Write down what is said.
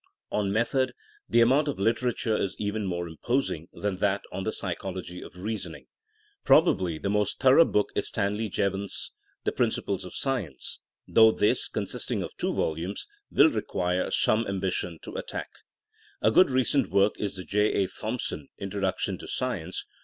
On method, the amount of literature is even more imposing than that on the psychology of reasoning. Probably the most thorough book is Stanley Jevon's The Principles of Science, though this, consisting of two volumes, will re quire quite some ambition to attack. A good recent short work is J. A. Thomson, Introduc tion to Science.